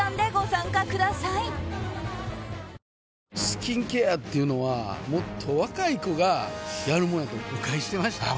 スキンケアっていうのはもっと若い子がやるもんやと誤解してました